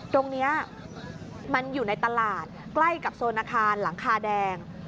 ตรงนี้มันอยู่ในตลาดใกล้กับโซนอาคารหลังคาแดง